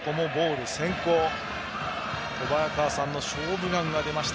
小早川さんの「勝負眼」が出ました。